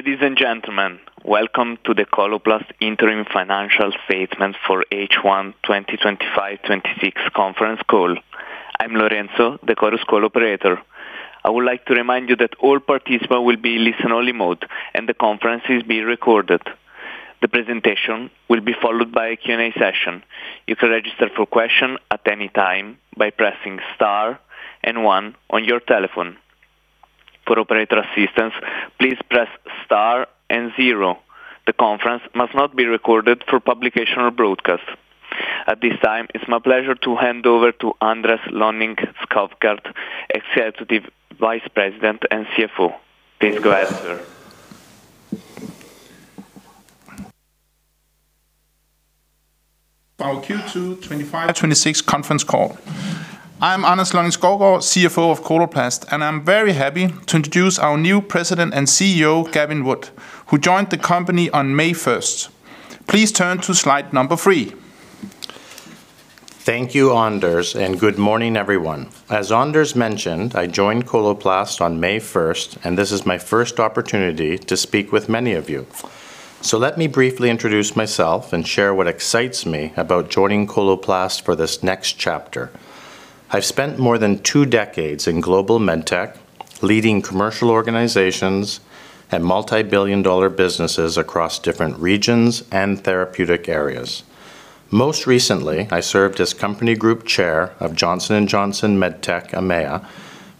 Ladies and gentlemen, welcome to the Coloplast Interim Financial Statement for H1 2025/26 conference call. I'm Lorenzo, the Chorus Call operator. I would like to remind you that all participants will be listen-only mode, and the conference is being recorded. The presentation will be followed by a Q&A session. You can register for question at any time by pressing star and one on your telephone. For operator assistance, please press star and zero. The conference must not be recorded for publication or broadcast. At this time, it's my pleasure to hand over to Anders Lonning-Skovgaard, Executive Vice President and CFO. Please go ahead, sir. Our Q2 2025/2026 conference call. I'm Anders Lonning-Skovgaard, CFO of Coloplast. I'm very happy to introduce our new President and CEO, Gavin Wood, who joined the company on May 1st. Please turn to slide number three. Thank you, Anders, good morning, everyone. As Anders mentioned, I joined Coloplast on May 1st, this is my first opportunity to speak with many of you. Let me briefly introduce myself and share what excites me about joining Coloplast for this next chapter. I've spent more than two decades in global medtech, leading commercial organizations and multi-billion dollar businesses across different regions and therapeutic areas. Most recently, I served as company Group Chair of Johnson & Johnson MedTech EMEA,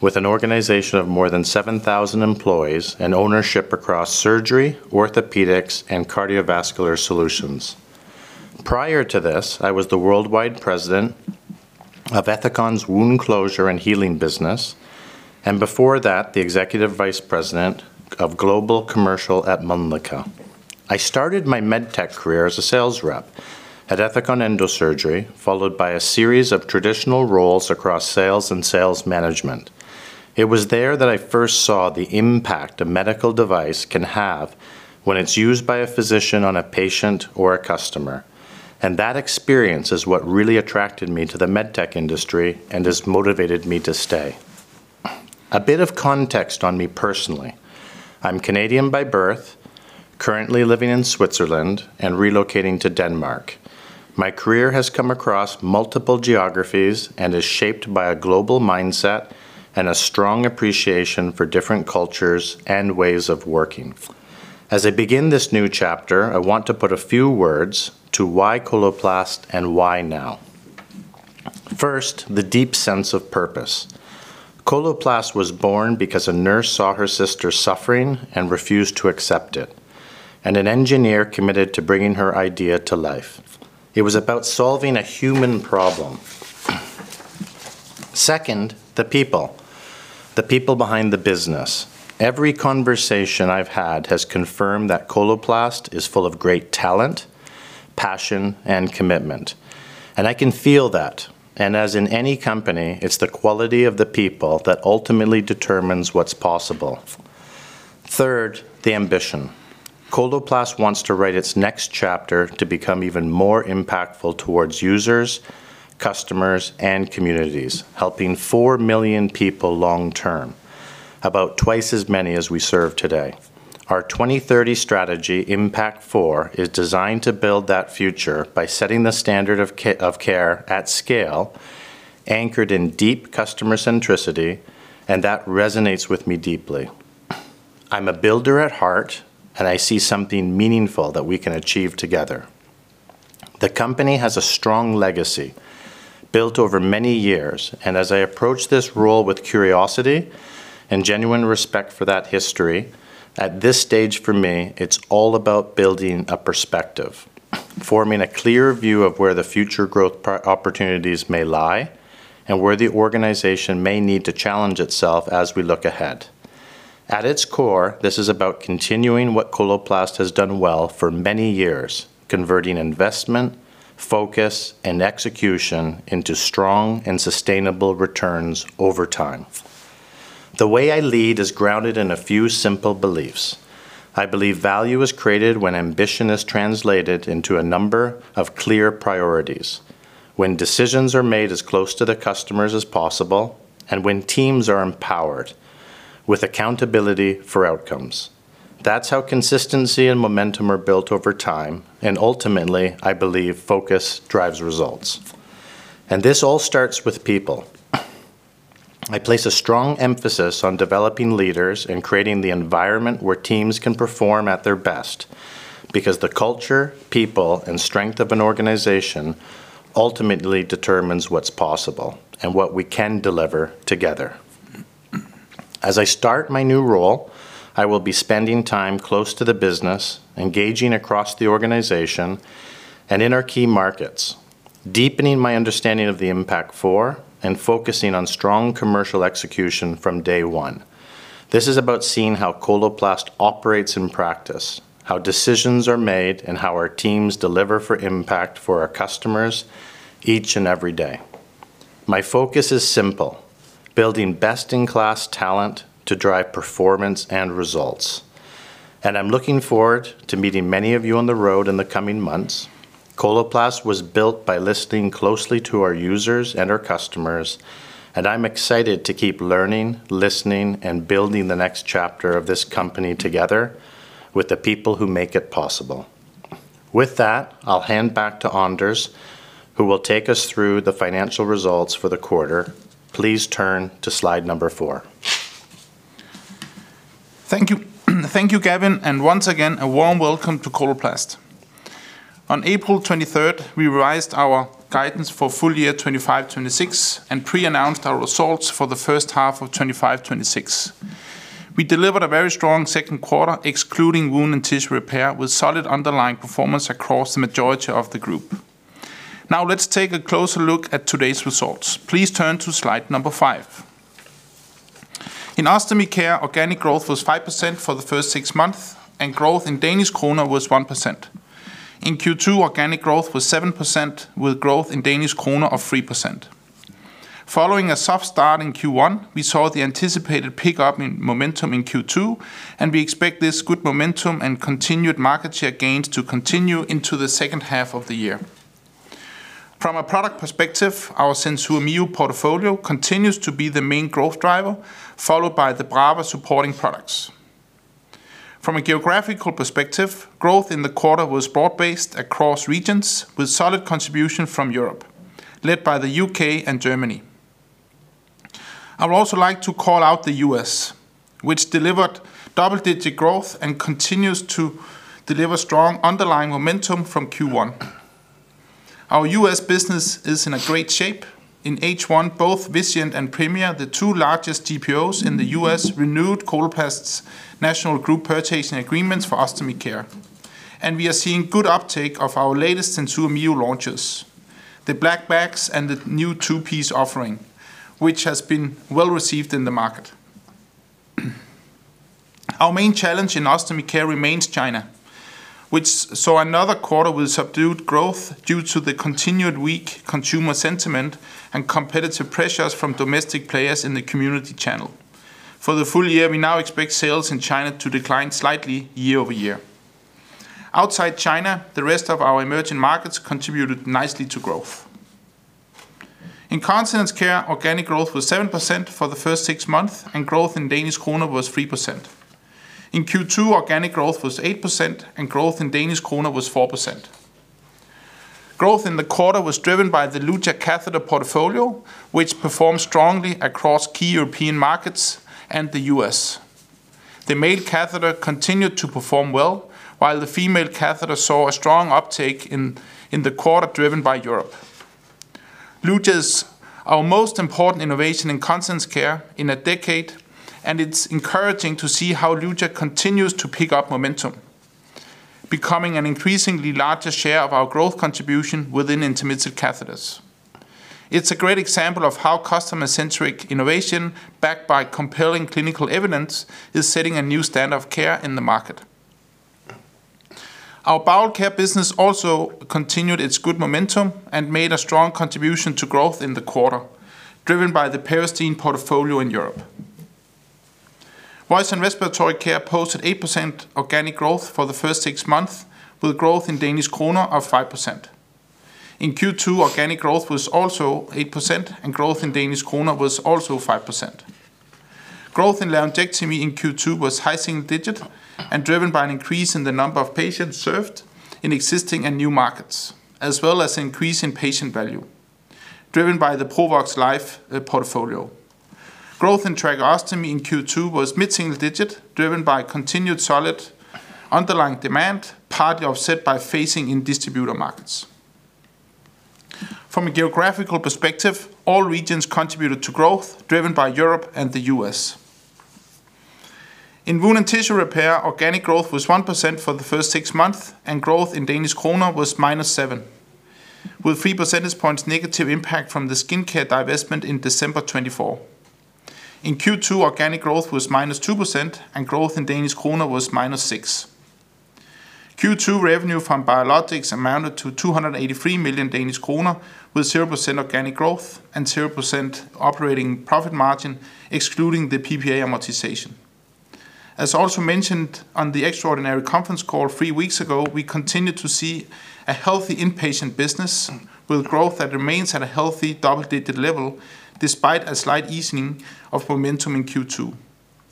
with an organization of more than 7,000 employees and ownership across surgery, orthopedics, and cardiovascular solutions. Prior to this, I was the worldwide president of Ethicon's wound closure and healing business, before that, the Executive Vice President of Global Commercial at Mölnlycke. I started my medtech career as a sales rep at Ethicon Endo-Surgery, followed by a series of traditional roles across sales and sales management. It was there that I first saw the impact a medical device can have when it's used by a physician on a patient or a customer. That experience is what really attracted me to the medtech industry and has motivated me to stay. A bit of context on me personally. I'm Canadian by birth, currently living in Switzerland and relocating to Denmark. My career has come across multiple geographies and is shaped by a global mindset and a strong appreciation for different cultures and ways of working. As I begin this new chapter, I want to put a few words to why Coloplast and why now. First, the deep sense of purpose. Coloplast was born because a nurse saw her sister suffering and refused to accept it, and an engineer committed to bringing her idea to life. It was about solving a human problem. Second, the people. The people behind the business. Every conversation I've had has confirmed that Coloplast is full of great talent, passion, and commitment, and I can feel that. As in any company, it's the quality of the people that ultimately determines what's possible. Third, the ambition. Coloplast wants to write its next chapter to become even more impactful towards users, customers, and communities, helping 4 million people long term, about 2 times as many as we serve today. Our 2030 strategy, Impact4, is designed to build that future by setting the standard of care at scale, anchored in deep customer centricity, and that resonates with me deeply. I'm a builder at heart, and I see something meaningful that we can achieve together. The company has a strong legacy built over many years, and as I approach this role with curiosity and genuine respect for that history, at this stage, for me, it's all about building a perspective, forming a clear view of where the future growth opportunities may lie, and where the organization may need to challenge itself as we look ahead. At its core, this is about continuing what Coloplast has done well for many years, converting investment, focus, and execution into strong and sustainable returns over time. The way I lead is grounded in a few simple beliefs. I believe value is created when ambition is translated into a number of clear priorities, when decisions are made as close to the customers as possible, and when teams are empowered with accountability for outcomes. That's how consistency and momentum are built over time, and ultimately, I believe focus drives results. This all starts with people. I place a strong emphasis on developing leaders and creating the environment where teams can perform at their best, because the culture, people, and strength of an organization ultimately determines what's possible and what we can deliver together. As I start my new role, I will be spending time close to the business, engaging across the organization and in our key markets, deepening my understanding of the Impact4, and focusing on strong commercial execution from day one. This is about seeing how Coloplast operates in practice, how decisions are made, and how our teams deliver for impact for our customers each and every day. My focus is simple, building best-in-class talent to drive performance and results. I'm looking forward to meeting many of you on the road in the coming months. Coloplast was built by listening closely to our users and our customers, and I'm excited to keep learning, listening, and building the next chapter of this company together with the people who make it possible. With that, I'll hand back to Anders, who will take us through the financial results for the quarter. Please turn to slide number four. Thank you. Thank you, Gavin, and once again, a warm welcome to Coloplast. On April 23rd, we revised our guidance for full year 2025/2026 and pre-announced our results for the first half of 2025/2026. We delivered a very strong second quarter, excluding Wound & Tissue Repair, with solid underlying performance across the majority of the group. Now, let's take a closer look at today's results. Please turn to slide number 5. In Ostomy Care, organic growth was 5% for the first six months, and growth in Danish kroner was 1%. In Q2, organic growth was 7%, with growth in Danish kroner of 3%. Following a soft start in Q1, we saw the anticipated pickup in momentum in Q2, and we expect this good momentum and continued market share gains to continue into the second half of the year. From a product perspective, our SenSura Mio portfolio continues to be the main growth driver, followed by the Brava supporting products. From a geographical perspective, growth in the quarter was broad-based across regions with solid contribution from Europe, led by the U.K. and Germany. I would also like to call out the U.S., which delivered double-digit growth and continues to deliver strong underlying momentum from Q1. Our U.S. business is in a great shape. In H1, both Vizient and Premier, the two largest GPOs in the U.S., renewed Coloplast's national group purchasing agreements for Ostomy Care, and we are seeing good uptake of our latest SenSura Mio launches, the black bags and the new two-piece offering, which has been well received in the market. Our main challenge in Ostomy Care remains China, which saw another quarter with subdued growth due to the continued weak consumer sentiment and competitive pressures from domestic players in the community channel. For the full year, we now expect sales in China to decline slightly year-over-year. Outside China, the rest of our emerging markets contributed nicely to growth. In Continence Care, organic growth was 7% for the first six months, and growth in Danish kroner was 3%. In Q2, organic growth was 8%, and growth in Danish kroner was 4%. Growth in the quarter was driven by the Luja catheter portfolio, which performed strongly across key European markets and the U.S. The male catheter continued to perform well, while the female catheter saw a strong uptake in the quarter driven by Europe. Luja is our most important innovation in Continence Care in a decade, and it's encouraging to see how Luja continues to pick up momentum, becoming an increasingly larger share of our growth contribution within intermittent catheters. It's a great example of how customer-centric innovation, backed by compelling clinical evidence, is setting a new standard of care in the market. Our Bowel Care business also continued its good momentum and made a strong contribution to growth in the quarter, driven by the Peristeen portfolio in Europe. Voice and Respiratory Care posted 8% organic growth for the first six months, with growth in Danish kroner of 5%. In Q2, organic growth was also 8%, and growth in Danish kroner was also 5%. Growth in laryngectomy in Q2 was high single-digit and driven by an increase in the number of patients served in existing and new markets, as well as increase in patient value, driven by the Provox Life portfolio. Growth in tracheostomy in Q2 was mid-single-digit, driven by continued solid underlying demand, partly offset by phasing in distributor markets. From a geographical perspective, all regions contributed to growth driven by Europe and the U.S. In Wound & Tissue Repair, organic growth was 1% for the first six months, and growth in Danish kroner was -7%, with 3 percentage points negative impact from the skincare divestment in December 2024. In Q2, organic growth was -2%, and growth in Danish kroner was -6%. Q2 revenue from Biologics amounted to 283 million Danish kroner, with 0% organic growth and 0% operating profit margin, excluding the PPA amortization. As also mentioned on the extraordinary conference call three weeks ago, we continue to see a healthy inpatient business with growth that remains at a healthy double-digit level despite a slight easing of momentum in Q2.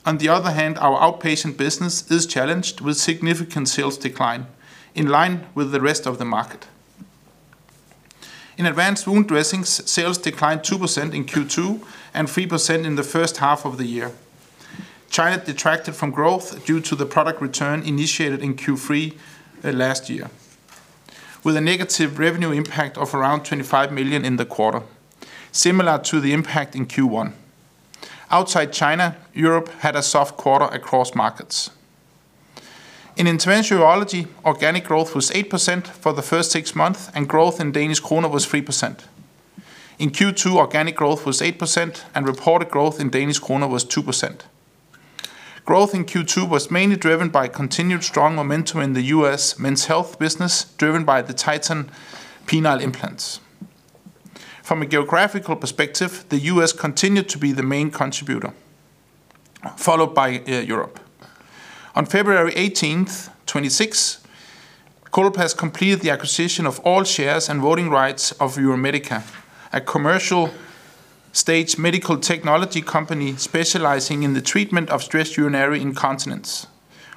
On the other hand, our outpatient business is challenged with significant sales decline in line with the rest of the market. In advanced wound dressings, sales declined 2% in Q2 and 3% in the first half of the year. China detracted from growth due to the product return initiated in Q3 last year, with a negative revenue impact of around 25 million in the quarter, similar to the impact in Q1. Outside China, Europe had a soft quarter across markets. In Interventional Urology, organic growth was 8% for the first six months, and growth in Danish kroner was 3%. In Q2, organic growth was 8%, and reported growth in Danish kroner was 2%. Growth in Q2 was mainly driven by continued strong momentum in the U.S. Men's Health business, driven by the Titan penile implants. Followed by Europe. On February 18th, 2026, Coloplast completed the acquisition of all shares and voting rights of Uromedica, a commercial stage medical technology company specializing in the treatment of stress urinary incontinence,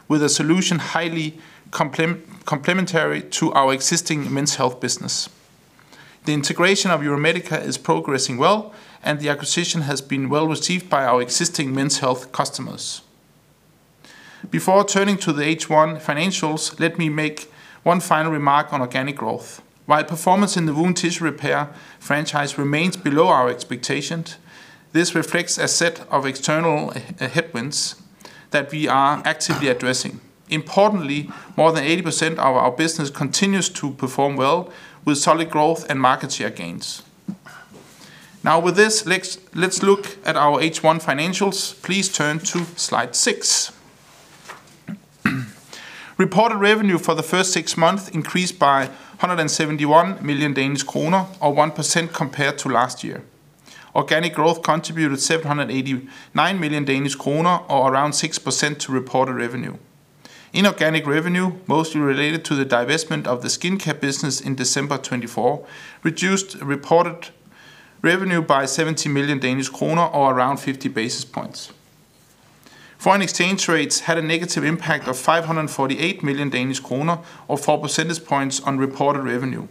with a solution highly complementary to our existing Men's Health business. The integration of Uromedica is progressing well, and the acquisition has been well received by our existing Men's Health customers. Before turning to the H1 financials, let me make one final remark on organic growth. While performance in the Wound & Tissue Repair franchise remains below our expectations, this reflects a set of external headwinds that we are actively addressing. Importantly, more than 80% of our business continues to perform well with solid growth and market share gains. With this, let's look at our H1 financials. Please turn to slide six. Reported revenue for the first six months increased by 171 million Danish kroner, or 1% compared to last year. Organic growth contributed 789 million Danish kroner, or around 6% to reported revenue. Inorganic revenue, mostly related to the divestment of the skincare business in December 2024, reduced reported revenue by 70 million Danish kroner, or around 50 basis points. Foreign exchange rates had a negative impact of 548 million Danish kroner, or 4 percentage points on reported revenue,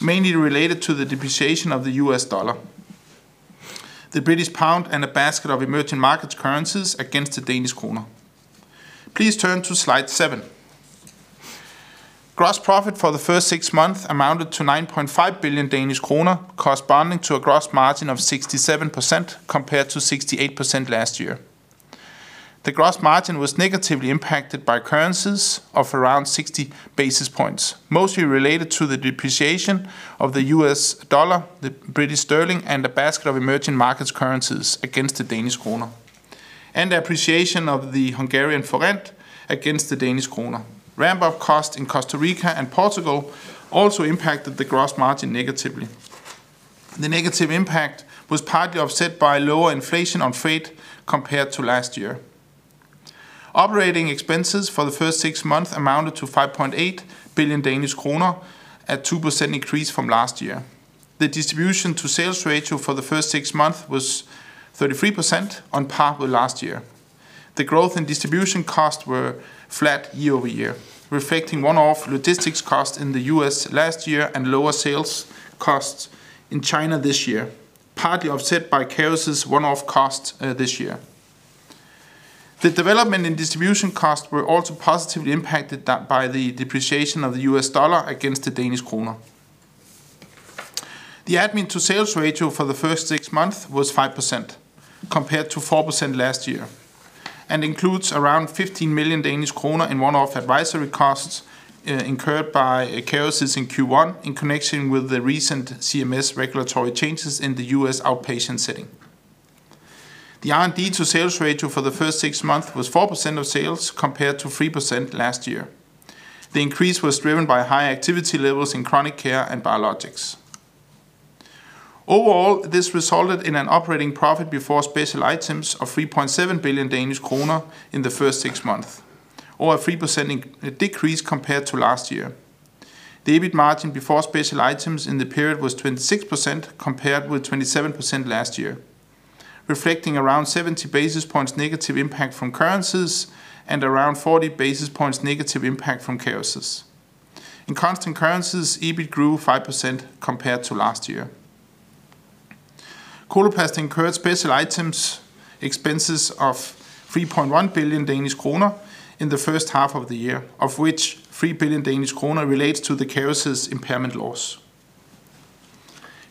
mainly related to the depreciation of the U.S. dollar, the British pound, and a basket of emerging markets currencies against the Danish kroner. Please turn to slide seven. Gross profit for the first six months amounted to 9.5 billion Danish kroner, corresponding to a gross margin of 67% compared to 68% last year. The gross margin was negatively impacted by currencies of around 60 basis points, mostly related to the depreciation of the U.S. dollar, the British sterling, and a basket of emerging markets currencies against the Danish kroner, and the appreciation of the Hungarian forint against the Danish kroner. Ramp-up cost in Costa Rica and Portugal also impacted the gross margin negatively. The negative impact was partly offset by lower inflation on freight compared to last year. Operating expenses for the first six months amounted to 5.8 billion Danish kroner at 2% increase from last year. The distribution to sales ratio for the first six months was 33%, on par with last year. The growth in distribution costs were flat year-over-year, reflecting one-off logistics costs in the U.S. last year and lower sales costs in China this year, partly offset by Kerecis one-off costs this year. The development in distribution costs were also positively impacted by the depreciation of the U.S. dollar against the Danish kroner. The admin to sales ratio for the first six months was 5% compared to 4% last year, and includes around 15 million Danish kroner in one-off advisory costs incurred by Kerecis in Q1 in connection with the recent CMS regulatory changes in the U.S. outpatient setting. The R&D to sales ratio for the first six months was 4% of sales compared to 3% last year. The increase was driven by high activity levels in Chronic Care and Biologics. Overall, this resulted in an operating profit before special items of 3.7 billion Danish kroner in the first six months, or a 3% decrease compared to last year. The EBIT margin before special items in the period was 26% compared with 27% last year, reflecting around 70 basis points negative impact from currencies and around 40 basis points negative impact from Kerecis. In constant currencies, EBIT grew 5% compared to last year. Coloplast incurred special items expenses of 3.1 billion Danish kroner in the first half of the year, of which 3 billion Danish kroner relates to the Kerecis impairment loss.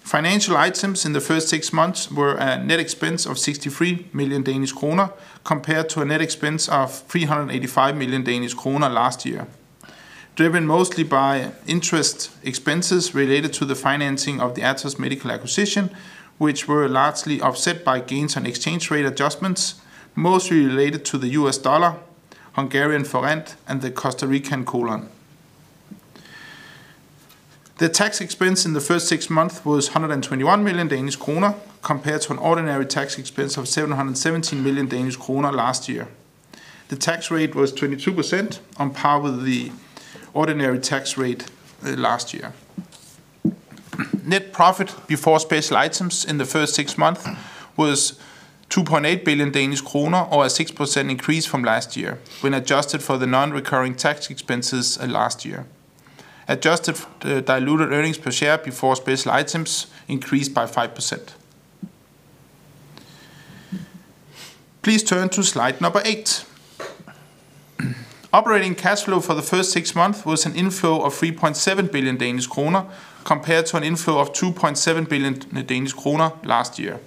Financial items in the first six months were a net expense of 63 million Danish kroner compared to a net expense of 385 million Danish kroner last year, driven mostly by interest expenses related to the financing of the Atos Medical acquisition, which were largely offset by gains on exchange rate adjustments, mostly related to the U.S. dollar, Hungarian forint, and the Costa Rican colon. The tax expense in the first 6 months was 121 million Danish kroner compared to an ordinary tax expense of 717 million Danish kroner last year. The tax rate was 22% on par with the ordinary tax rate last year. Net profit before special items in the first six months was 2.8 billion Danish kroner, or a 6% increase from last year when adjusted for the non-recurring tax expenses last year. Adjusted diluted earnings per share before special items increased by 5%. Please turn to slide number eight. Operating cash flow for the first six months was an inflow of 3.7 billion Danish kroner compared to an inflow of 2.7 billion Danish kroner last year.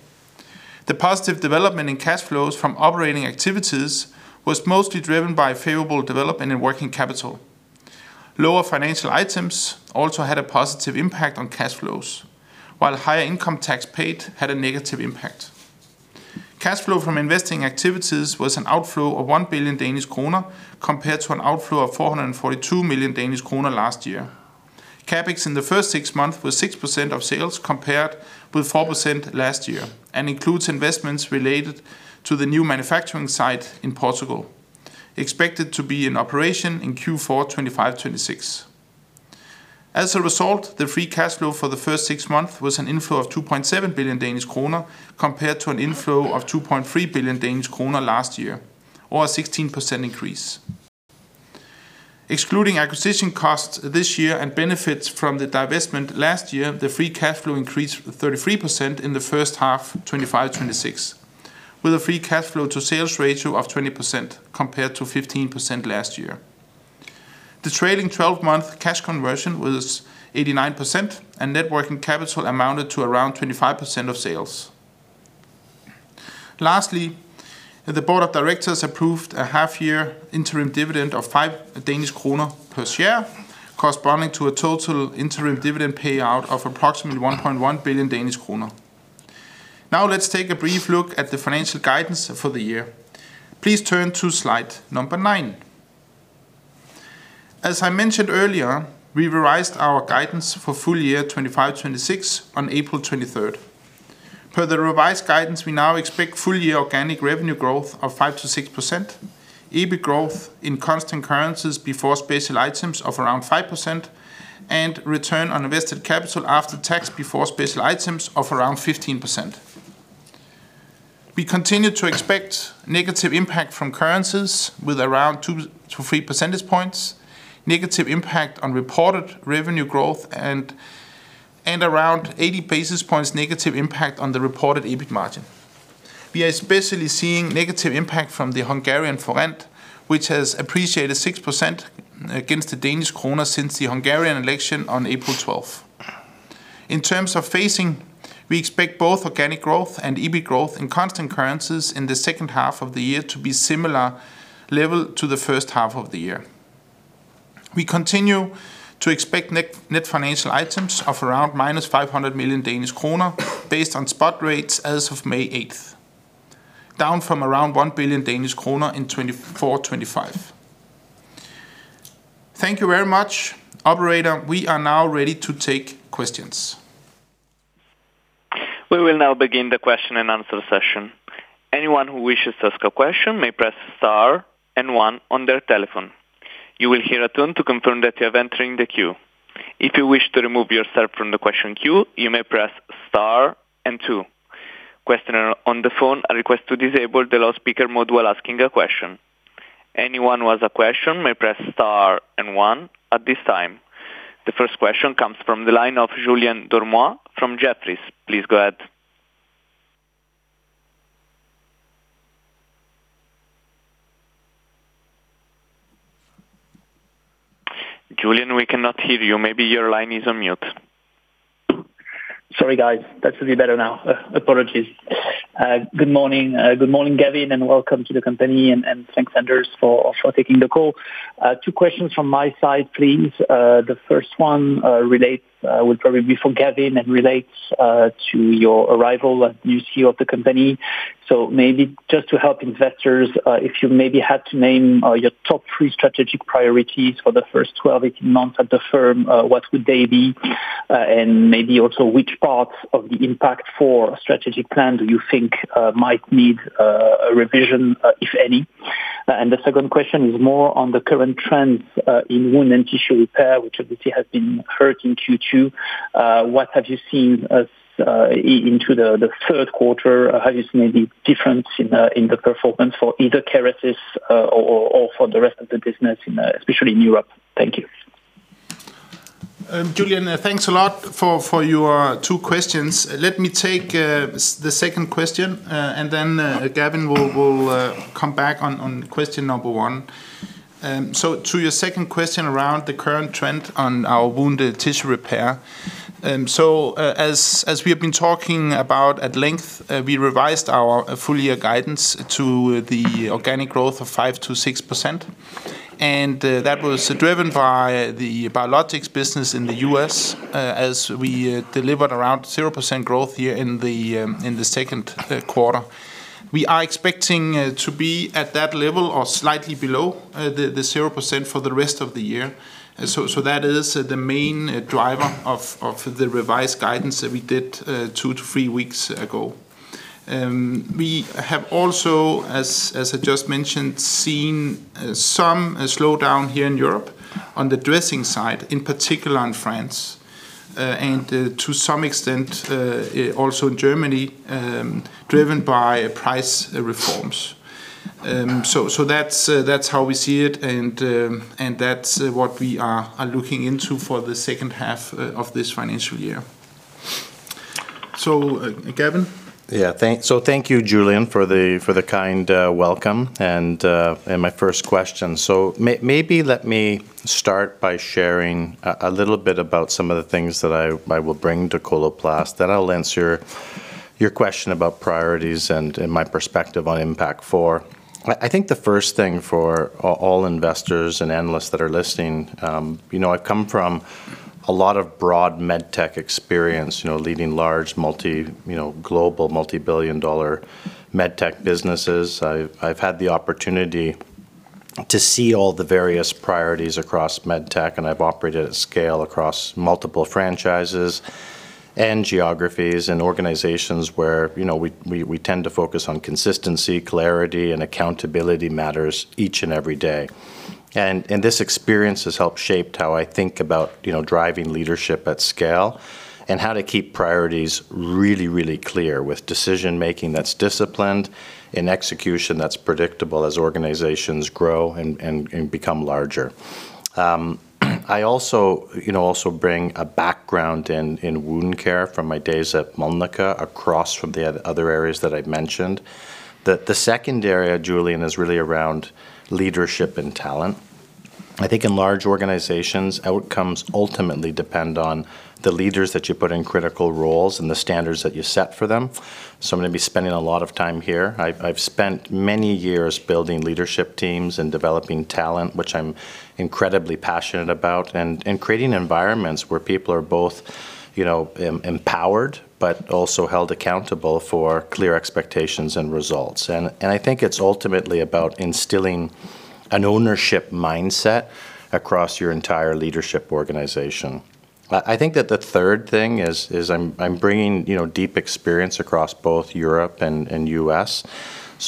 The positive development in cash flows from operating activities was mostly driven by favorable development in working capital. Lower financial items also had a positive impact on cash flows, while higher income tax paid had a negative impact. Cash flow from investing activities was an outflow of 1 billion Danish kroner compared to an outflow of 442 million Danish kroner last year. CAPEX in the first six months was 6% of sales compared with 4% last year, and includes investments related to the new manufacturing site in Portugal, expected to be in operation in Q4 2025-2026. As a result, the free cash flow for the first six months was an inflow of 2.7 billion Danish kroner compared to an inflow of 2.3 billion Danish kroner last year, or a 16% increase. Excluding acquisition costs this year and benefits from the divestment last year, the free cash flow increased 33% in the first half 2025-2026, with a free cash flow to sales ratio of 20% compared to 15% last year. The trailing 12-month cash conversion was 89%, and net working capital amounted to around 25% of sales. Lastly, the board of directors approved a half-year interim dividend of 5 Danish kroner per share, corresponding to a total interim dividend payout of approximately 1.1 billion Danish kroner. Let's take a brief look at the financial guidance for the year. Please turn to slide number nine. As I mentioned earlier, we revised our guidance for full year 2025, 2026 on April 23rd. Per the revised guidance, we now expect full year organic revenue growth of 5%-6%, EBIT growth in constant currencies before special items of around 5%, and return on invested capital after tax before special items of around 15%. We continue to expect negative impact from currencies with around 2 to 3 percentage points negative impact on reported revenue growth and around 80 basis points negative impact on the reported EBIT margin. We are especially seeing negative impact from the Hungarian forint, which has appreciated 6% against the Danish kroner since the Hungarian election on April 12th. In terms of phasing, we expect both organic growth and EBIT growth in constant currencies in the second half of the year to be similar level to the first half of the year. We continue to expect net financial items of around minus 500 million Danish kroner based on spot rates as of May 8th, down from around 1 billion Danish kroner in 2024-2025. Thank you very much. Operator, we are now ready to take questions. We will now begin the question-and-answer session. The first question comes from the line of Julien Dormois from Jefferies. Please go ahead. Julien, we cannot hear you. Maybe your line is on mute. Sorry, guys. That should be better now. Apologies. Good morning. Good morning, Gavin, and welcome to the company, and thanks Anders for taking the call. Two questions from my side, please. The first one relates, will probably be for Gavin Wood and relates to your arrival as new CEO of the company. Maybe just to help investors, if you maybe had to name your top three strategic priorities for the first 12, 18 months at the firm, what would they be? Maybe also which parts of the Impact4 strategic plan do you think might need a revision, if any? The second question is more on the current trends in Wound & Tissue Repair, which obviously has been hurt in Q2. What have you seen as into the third quarter? Have you seen any difference in the performance for either Kerecis or for the rest of the business in especially in Europe? Thank you. Julien, thanks a lot for your two questions. Let me take the second question and then Gavin will come back on question number one. To your second question around the current trend on our Wound & Tissue Repair. As we have been talking about at length, we revised our full year guidance to the organic growth of 5%-6%. That was driven by the Biologics business in the U.S. as we delivered around 0% growth here in the second quarter. We are expecting to be at that level or slightly below 0% for the rest of the year. That is the main driver of the revised guidance that we did two to three weeks ago. We have also, as I just mentioned, seen some slowdown here in Europe on the dressing side, in particular in France, and to some extent also in Germany, driven by price reforms. That's how we see it and that's what we are looking into for the second half of this financial year. Gavin? Thank you, Julien, for the, for the kind welcome and my first question. Maybe let me start by sharing a little bit about some of the things that I will bring to Coloplast, then I'll answer your question about priorities and my perspective on Impact4. I think the first thing for all investors and analysts that are listening, you know, I've come from a lot of broad medtech experience, you know, leading large global multi-billion dollar medtech businesses. I've had the opportunity to see all the various priorities across medtech, and I've operated at scale across multiple franchises and geographies and organizations where, you know, we tend to focus on consistency, clarity, and accountability matters each and every day. This experience has helped shaped how I think about, you know, driving leadership at scale and how to keep priorities really clear with decision-making that's disciplined and execution that's predictable as organizations grow and become larger. I also, you know, also bring a background in wound care from my days at Mölnlycke across from the other areas that I've mentioned. The second area, Julien, is really around leadership and talent. I think in large organizations, outcomes ultimately depend on the leaders that you put in critical roles and the standards that you set for them, so I'm gonna be spending a lot of time here. I've spent many years building leadership teams and developing talent, which I'm incredibly passionate about, and creating environments where people are both, you know, empowered but also held accountable for clear expectations and results. I think it's ultimately about instilling an ownership mindset across your entire leadership organization. I think that the third thing is I'm bringing, you know, deep experience across both Europe and U.S.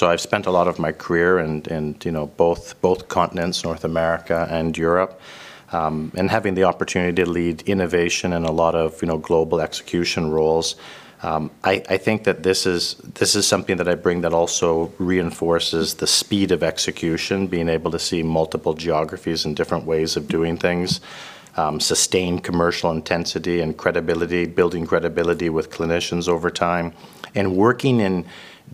I've spent a lot of my career in, you know, both continents, North America and Europe, and having the opportunity to lead innovation in a lot of, you know, global execution roles. I think that this is something that I bring that also reinforces the speed of execution, being able to see multiple geographies and different ways of doing things, sustain commercial intensity and credibility, building credibility with clinicians over time, and working in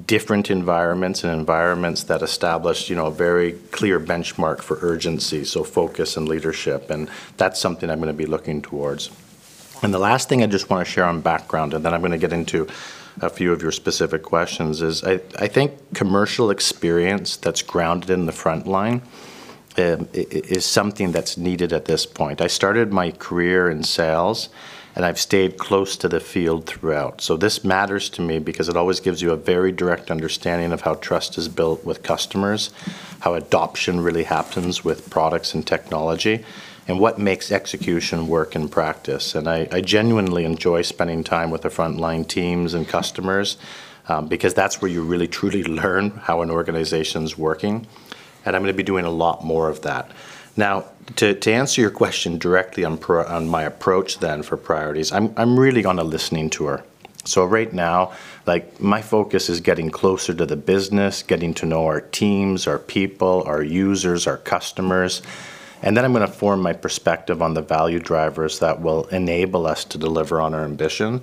different environments and environments that establish, you know, a very clear benchmark for urgency, focus and leadership, and that's something I'm going to be looking towards. The last thing I just wanna share on background, and then I'm gonna get into a few of your specific questions, is I think commercial experience that's grounded in the front line is something that's needed at this point. I started my career in sales, and I've stayed close to the field throughout. This matters to me because it always gives you a very direct understanding of how trust is built with customers, how adoption really happens with products and technology, and what makes execution work in practice. I genuinely enjoy spending time with the frontline teams and customers because that's where you really truly learn how an organization's working, and I'm gonna be doing a lot more of that. To answer your question directly on my approach then for priorities, I'm really on a listening tour. Right now, like, my focus is getting closer to the business, getting to know our teams, our people, our users, our customers, and then I'm gonna form my perspective on the value drivers that will enable us to deliver on our ambition.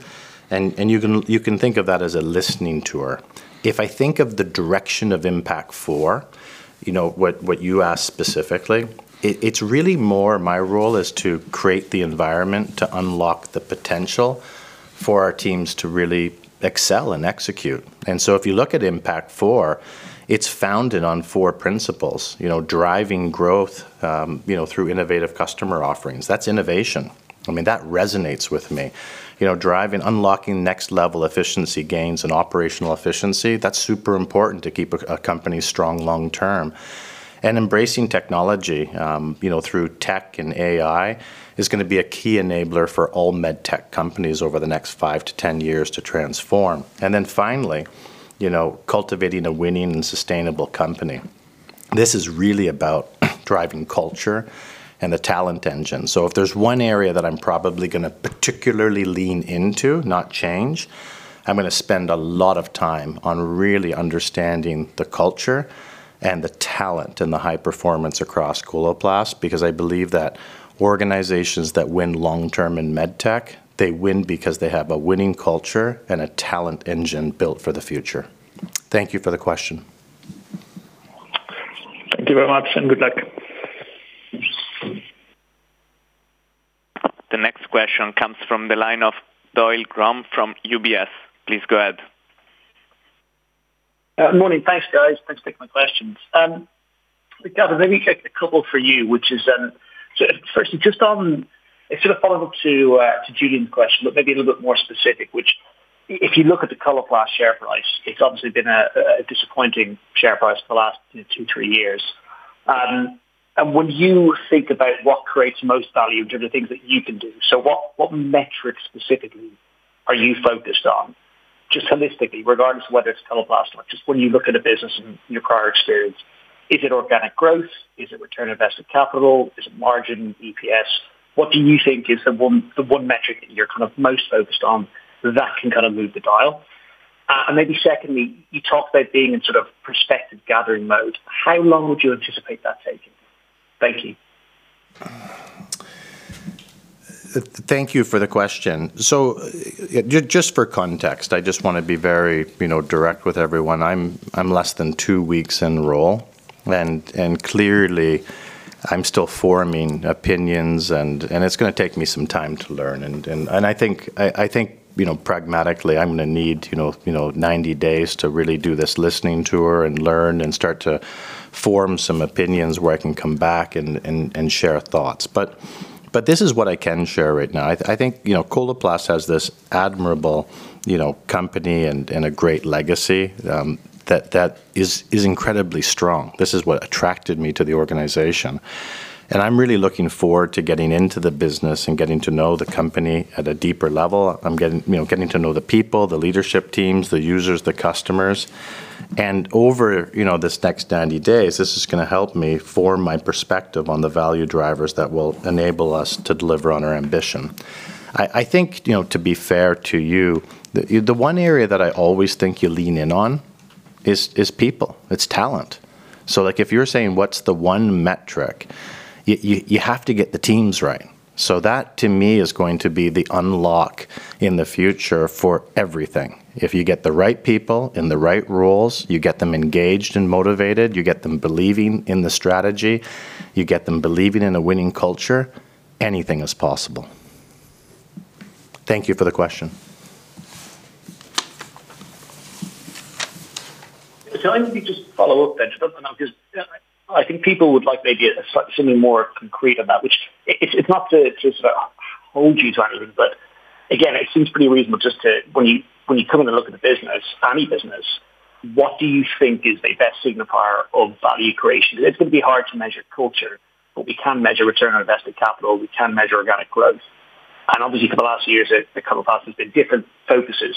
You can think of that as a listening tour. If I think of the direction of Impact4, you know, what you asked specifically, it's really more my role is to create the environment to unlock the potential for our teams to really excel and execute. If you look at Impact4, it's founded on four principles, you know, driving growth, you know, through innovative customer offerings. That's innovation. I mean, that resonates with me. You know, unlocking next-level efficiency gains and operational efficiency, that's super important to keep a company strong long term. Embracing technology, you know, through tech and AI is gonna be a key enabler for all medtech companies over the next five to ten years to transform. Finally, you know, cultivating a winning and sustainable company. This is really about driving culture and the talent engine. If there's one area that I'm probably gonna particularly lean into, not change, I'm gonna spend a lot of time on really understanding the culture and the talent and the high performance across Coloplast because I believe that organizations that win long term in medtech, they win because they have a winning culture and a talent engine built for the future. Thank you for the question. Thank you very much, and good luck. The next question comes from the line of Doyle Graham from UBS. Please go ahead. Morning. Thanks, guys. Thanks for taking my questions. Gavin, let me take a couple for you, which is, firstly, just on, it's sort of follow-up to Julien's question, but maybe a little bit more specific, which if you look at the Coloplast share price, it's obviously been a disappointing share price for the last two, three years. When you think about what creates most value to the things that you can do, what metrics specifically are you focused on, just holistically, regardless of whether it's Coloplast or just when you look at a business in your prior experience, is it organic growth? Is it return on invested capital? Is it margin, EPS? What do you think is the one metric that you're kind of most focused on that can kind of move the dial? Maybe secondly, you talked about being in sort of prospective gathering mode. How long would you anticipate that taking? Thank you. Thank you for the question. Just for context, I just wanna be very, you know, direct with everyone. I'm less than two weeks in role, and clearly I'm still forming opinions and it's gonna take me some time to learn. I think, you know, pragmatically, I'm gonna need, you know, 90 days to really do this listening tour and learn and start to form some opinions where I can come back and share thoughts. This is what I can share right now. I think, you know, Coloplast has this admirable, you know, company and a great legacy that is incredibly strong. This is what attracted me to the organization. I'm really looking forward to getting into the business and getting to know the company at a deeper level. I'm getting, you know, getting to know the people, the leadership teams, the users, the customers. Over, you know, this next 90 days, this is gonna help me form my perspective on the value drivers that will enable us to deliver on our ambition. I think, you know, to be fair to you, the one area that I always think you lean in on is people. It's talent. Like, if you're saying, "What's the one metric?" You have to get the teams right. That, to me, is going to be the unlock in the future for everything. If you get the right people in the right roles, you get them engaged and motivated, you get them believing in the strategy, you get them believing in a winning culture, anything is possible. Thank you for the question. I need to just follow up then, just because I think people would like maybe something more concrete on that, which it's not to sort of hold you to anything, but again, it seems pretty reasonable just to. When you come in and look at the business, any business, what do you think is the best signifier of value creation? It's gonna be hard to measure culture, but we can measure return on invested capital. We can measure organic growth. Obviously for the last years that have come past, there's been different focuses.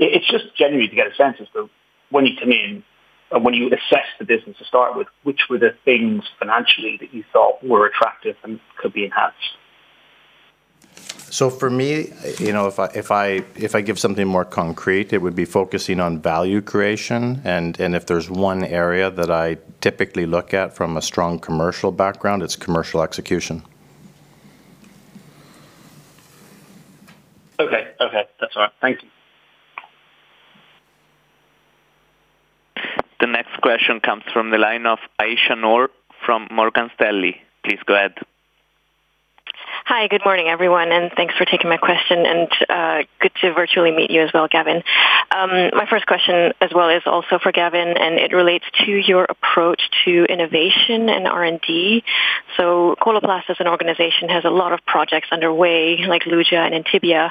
It's just generally to get a sense of when you come in and when you assess the business to start with, which were the things financially that you thought were attractive and could be enhanced? For me, you know, if I give something more concrete, it would be focusing on value creation. If there's one area that I typically look at from a strong commercial background, it's commercial execution. Okay. Okay. That's all right. Thank you. The next question comes from the line of Aisyah Noor from Morgan Stanley. Please go ahead. Hi. Good morning, everyone, and thanks for taking my question, and good to virtually meet you as well, Gavin. My first question as well is also for Gavin. It relates to your approach to innovation and R&D. Coloplast as an organization has a lot of projects underway, like Luja and Intibia.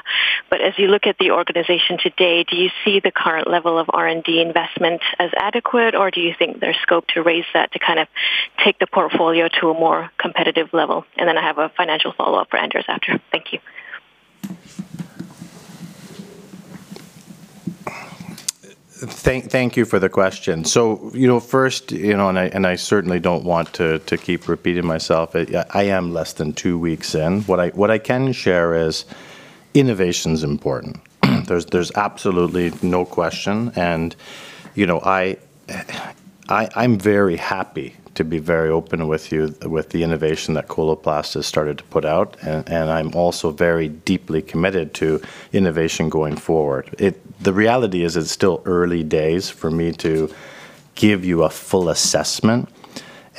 As you look at the organization today, do you see the current level of R&D investment as adequate, or do you think there's scope to raise that to kind of take the portfolio to a more competitive level? Then I have a financial follow-up for Anders after. Thank you. Thank you for the question. You know, first, you know, I certainly don't want to keep repeating myself. I am less than two weeks in. What I can share is innovation's important. There's absolutely no question. You know, I'm very happy to be very open with you with the innovation that Coloplast has started to put out, and I'm also very deeply committed to innovation going forward. The reality is it's still early days for me to give you a full assessment.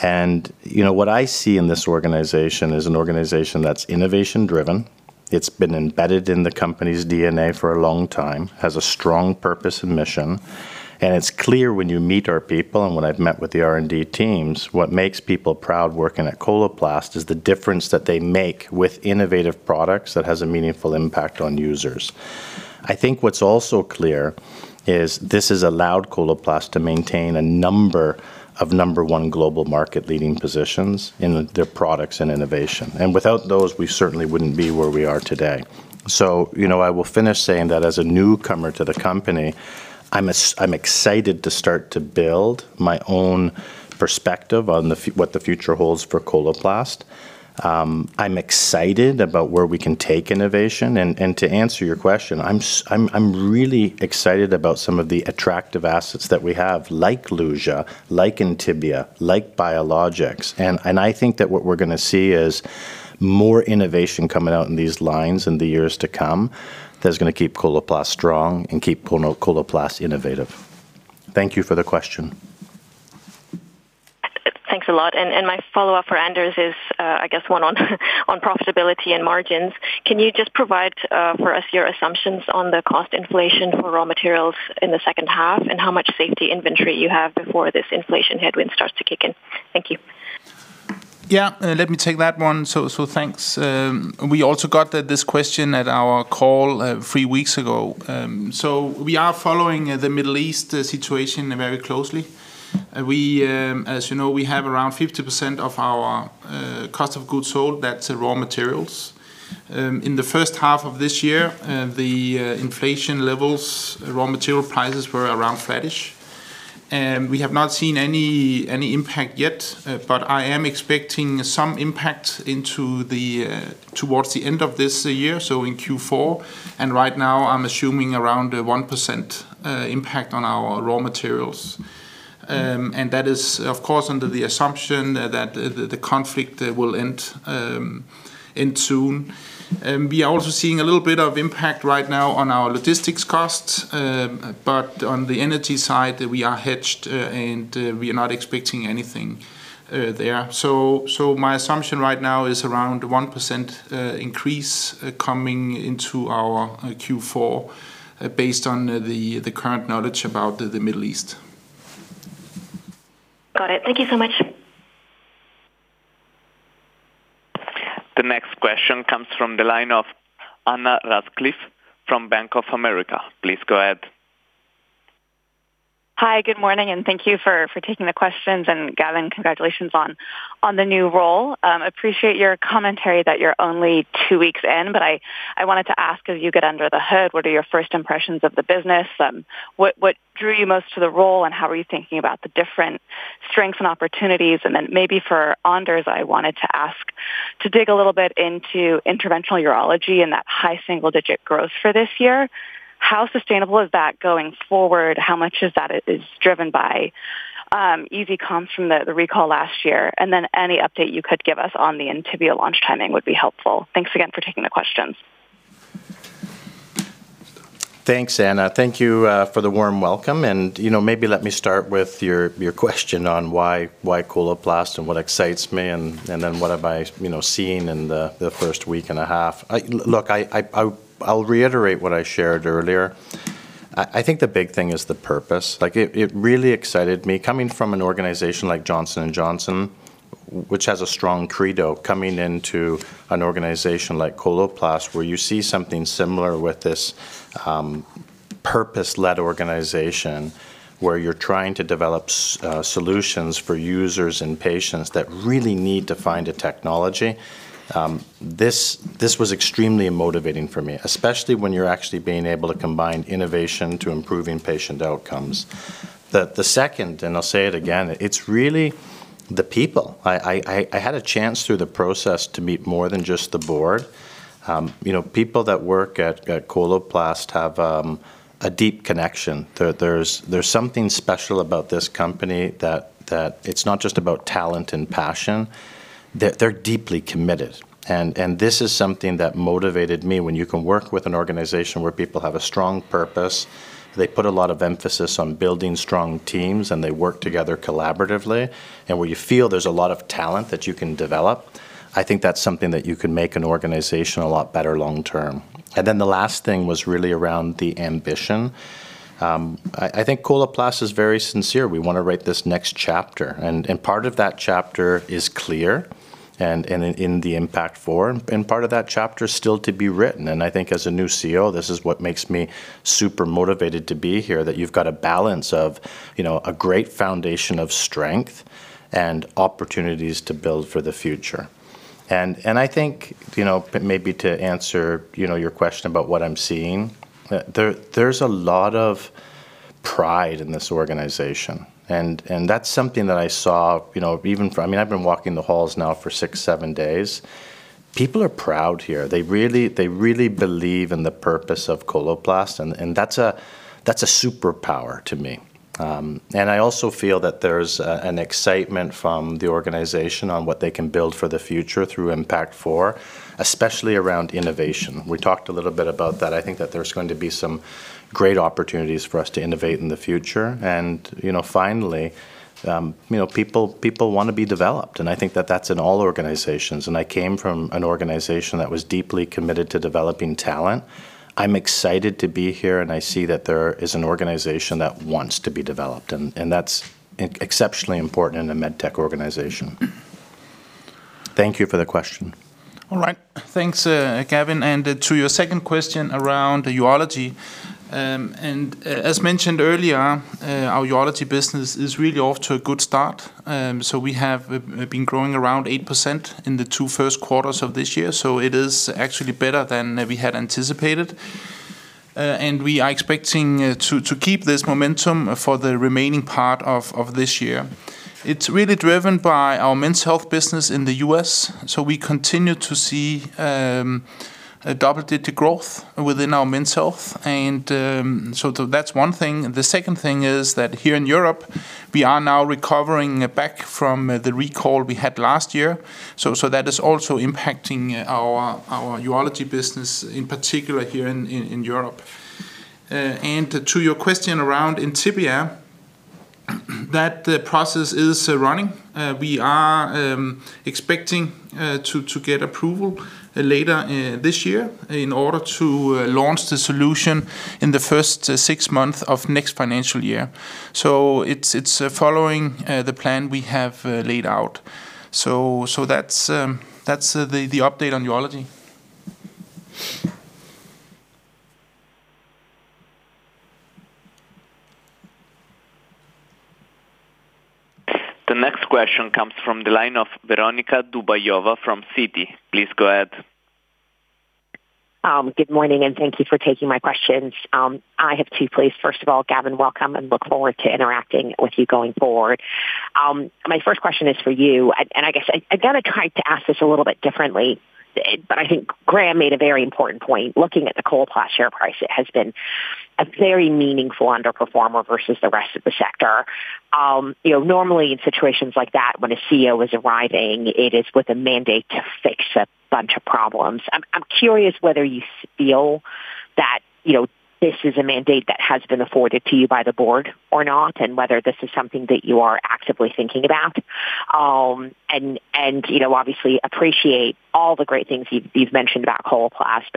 You know, what I see in this organization is an organization that's innovation driven. It's been embedded in the company's DNA for a long time, has a strong purpose and mission, and it's clear when you meet our people and when I've met with the R&D teams, what makes people proud working at Coloplast is the difference that they make with innovative products that has a meaningful impact on users. I think what's also clear is this has allowed Coloplast to maintain a number of number one global market leading positions in their products and innovation. Without those, we certainly wouldn't be where we are today. You know, I will finish saying that as a newcomer to the company, I'm excited to start to build my own perspective on what the future holds for Coloplast. I'm excited about where we can take innovation. To answer your question, I'm really excited about some of the attractive assets that we have, like Luja, like Intibia, like Biologics. I think that what we're gonna see is more innovation coming out in these lines in the years to come that's gonna keep Coloplast strong and keep Coloplast innovative. Thank you for the question. Thanks a lot. My follow-up for Anders is, I guess one on profitability and margins. Can you just provide for us your assumptions on the cost inflation for raw materials in the second half, and how much safety inventory you have before this inflation headwind starts to kick in? Thank you. Yeah, let me take that one. Thanks. We also got this question at our call three weeks ago. We are following the Middle East situation very closely. We, as you know, we have around 50% of our cost of goods sold, that's raw materials. In the first half of this year, the inflation levels, raw material prices were around flattish. We have not seen any impact yet, but I am expecting some impact into the towards the end of this year, so in Q4. Right now, I'm assuming around a 1% impact on our raw materials. That is, of course, under the assumption that the conflict will end soon. We are also seeing a little bit of impact right now on our logistics costs. On the energy side, we are hedged, and we are not expecting anything there. My assumption right now is around 1% increase coming into our Q4, based on the current knowledge about the Middle East. Got it. Thank you so much. The next question comes from the line of Anna Ratcliffe from Bank of America. Please go ahead. Hi. Good morning, and thank you for taking the questions. Gavin, congratulations on the new role. Appreciate your commentary that you're only two weeks in, but I wanted to ask, as you get under the hood, what are your first impressions of the business? What drew you most to the role, and how are you thinking about the different Strengths and opportunities, and then maybe for Anders, I wanted to ask to dig a little bit into Interventional Urology and that high single-digit growth for this year. How sustainable is that going forward? How much of that is driven by easy comps from the recall last year? Any update you could give us on the Intibia launch timing would be helpful. Thanks again for taking the questions. Thanks, Anna. Thank you for the warm welcome. You know, maybe let me start with your question on why Coloplast and what excites me and then what have I, you know, seen in the first week and a half. I'll reiterate what I shared earlier. I think the big thing is the purpose. Like, it really excited me. Coming from an organization like Johnson & Johnson, which has a strong credo, coming into an organization like Coloplast, where you see something similar with this purpose-led organization, where you're trying to develop solutions for users and patients that really need to find a technology, this was extremely motivating for me, especially when you're actually being able to combine innovation to improving patient outcomes. The second, and I'll say it again, it's really the people. I had a chance through the process to meet more than just the board. You know, people that work at Coloplast have a deep connection. There's something special about this company that it's not just about talent and passion. They're deeply committed. This is something that motivated me. When you can work with an organization where people have a strong purpose, they put a lot of emphasis on building strong teams, and they work together collaboratively, and where you feel there's a lot of talent that you can develop, I think that's something that you can make an organization a lot better long term. The last thing was really around the ambition. I think Coloplast is very sincere. We wanna write this next chapter. Part of that chapter is clear and in the Impact4, and part of that chapter is still to be written. I think as a new CEO, this is what makes me super motivated to be here, that you've got a balance of, you know, a great foundation of strength and opportunities to build for the future. I think, you know, maybe to answer, you know, your question about what I'm seeing, there's a lot of pride in this organization. That's something that I saw, you know, even from I mean, I've been walking the halls now for six, seven days. People are proud here. They really believe in the purpose of Coloplast, and that's a superpower to me. I also feel that there's an excitement from the organization on what they can build for the future through Impact4, especially around innovation. We talked a little bit about that. I think that there's going to be some great opportunities for us to innovate in the future. You know, finally, you know, people wanna be developed, and I think that that's in all organizations. I came from an organization that was deeply committed to developing talent. I'm excited to be here, and I see that there is an organization that wants to be developed. And that's exceptionally important in a medtech organization. Thank you for the question. All right. Thanks, Gavin. To your second question around Urology, as mentioned earlier, our Urology business is really off to a good start. We have been growing around 8% in the two first quarters of this year, it is actually better than we had anticipated. We are expecting to keep this momentum for the remaining part of this year. It's really driven by our Men's Health business in the U.S. We continue to see a double-digit growth within our Men's Health. That's one thing. The second thing is that here in Europe, we are now recovering back from the recall we had last year. That is also impacting our Urology business, in particular here in Europe. To your question around Intibia, that process is running. We are expecting to get approval later this year in order to launch the solution in the first six months of next financial year. It's following the plan we have laid out. That's the update on Urology. The next question comes from the line of Veronika Dubajova from Citi. Please go ahead. Good morning, thank you for taking my questions. I have two, please. First of all, Gavin, welcome, and look forward to interacting with you going forward. My first question is for you. I guess I gotta try to ask this a little bit differently, but I think Graham made a very important point. Looking at the Coloplast share price, it has been a very meaningful underperformer versus the rest of the sector. You know, normally in situations like that, when a CEO is arriving, it is with a mandate to fix a bunch of problems. I'm curious whether you feel that, you know, this is a mandate that has been afforded to you by the board or not, and whether this is something that you are actively thinking about. You know, obviously appreciate all the great things you've mentioned about Coloplast,